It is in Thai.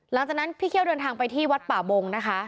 หลังจากนั้นพี่เคี่ยวเดินทางไปที่วัดป่าบงนะคะ